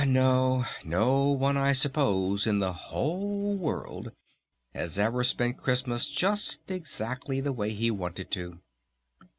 "N o, no one, I suppose, in the whole world, has ever spent Christmas just exactly the way he wanted to!"